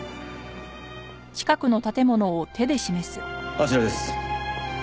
あちらです。